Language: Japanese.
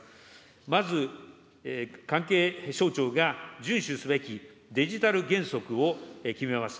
まず、関係省庁が順守すべきデジタル原則を決めます。